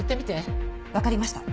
わかりました。